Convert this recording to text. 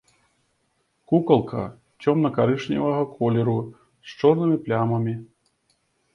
Кукалка цёмна-карычневага колеру з чорнымі плямамі.